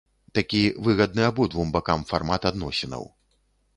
Такі выгадны абодвум бакам фармат адносінаў.